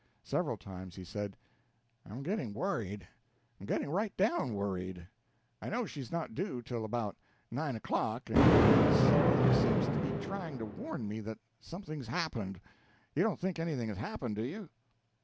Several times he said: "I'm getting worried, I'm getting right down worried. I know she's not due till about nine o'clock, and yet something seems to be trying to warn me that something's happened. You don't think anything has happened, do you?"